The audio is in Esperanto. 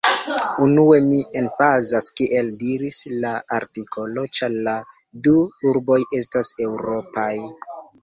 Unue, mi emfazas, kiel diris la artikolo, ĉar la du urboj estas eŭropaj.